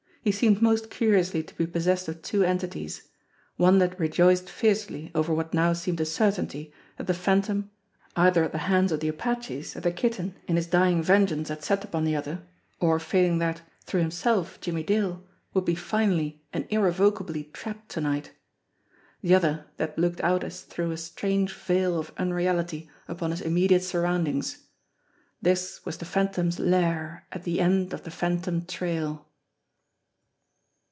He seemed most curiously to be possessed of two entities one that rejoiced fiercely over what now seemed a certainty that the Phantom, either at the hands of the apaches that the Kitten in his dying vengeance THE LAIR 287 had set upon the other, or, failing that, through himself, Jimmie Dale, would be finally and irrevocably trapped to night ; the other that looked out as through a strange veil of unreality upon his immediate surroundings. This was the Phantom's lair at the end of the phantom trail.